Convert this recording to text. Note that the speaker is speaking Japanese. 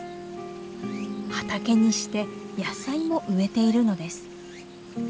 畑にして野菜も植えているのです。